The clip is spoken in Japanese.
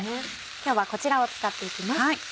今日はこちらを使っていきます。